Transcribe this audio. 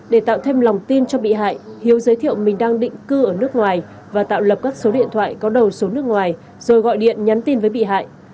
để tạo thêm lòng tin cho bị hại hiếu giới thiệu mình đang định cư ở nước ngoài và tạo lập các số điện thoại có đầu số nước ngoài rồi gọi điện nhắn tin với bị hại